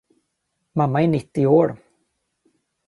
Mamma är nittio år.